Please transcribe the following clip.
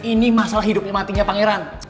ini masalah hidupnya matinya pangeran